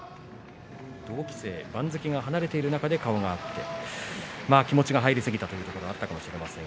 同期生番付が離れている中で顔が合って気持ちが入りすぎたってところもあったかもしれません。